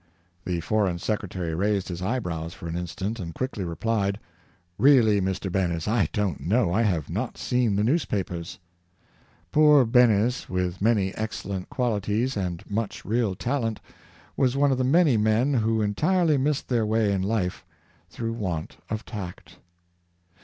" The Foreign Secretary raised his eyebrows for an instant, and quickly replied, '^Really Mr. Behnes, I don't know; I have not seen the newspapers! '• Poor Behnes, with many excellent qualities and much real talent, was one of the many men who entirely missed their way in life through want of tact.